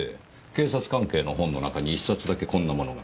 警察関係の本の中に１冊だけこんなものが。